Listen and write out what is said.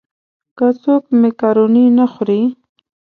که څوک مېکاروني نه خوري.